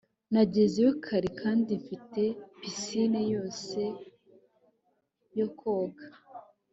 nagezeyo kare kandi mfite pisine yose yo koga